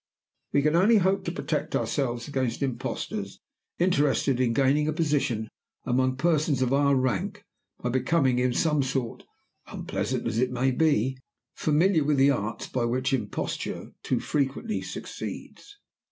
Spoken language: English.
We can only hope to protect ourselves against impostors interested in gaining a position among persons of our rank by becoming in some sort (unpleasant as it may be) familiar with the arts by which imposture too frequently succeeds.